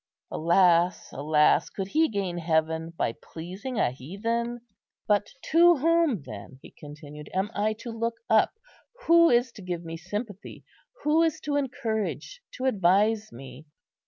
Alas, alas! could he gain heaven by pleasing a heathen? "But to whom then," he continued, "am I to look up? who is to give me sympathy? who is to encourage, to advise me?